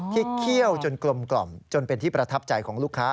เคี่ยวจนกลมจนเป็นที่ประทับใจของลูกค้า